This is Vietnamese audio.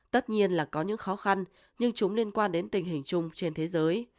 tất nhiên là có những khó khăn nhưng chúng liên quan đến tình hình chung trên thế giới